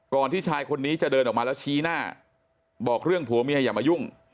ที่ชายคนนี้จะเดินออกมาแล้วชี้หน้าบอกเรื่องผัวเมียอย่ามายุ่ง